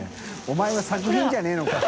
お前は作品じゃねぇのか。